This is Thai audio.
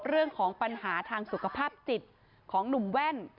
เรื่องของปัญหาทางสุขภาพจิตของหนุ่มแว่น